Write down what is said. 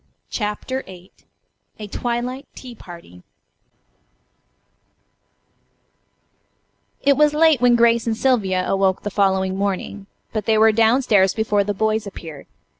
CHAPTER VIII A TWILIGHT TEA PARTY It was late when Grace and Sylvia awoke the following morning, but they were down stairs before the boys appeared.